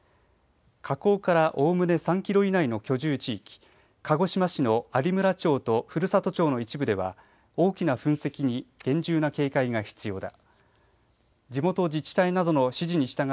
火口からおおむね３キロ以内の居住地域、鹿児島市の有村町と古里町の一部では大きな噴石に厳重な警戒が必要だ。